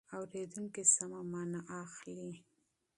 اورېدونکی سمه مانا اخلي.